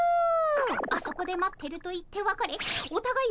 「あそこで待ってる」と言ってわかれおたがい